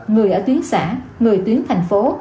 người ở tuyến xã người tuyến thành phố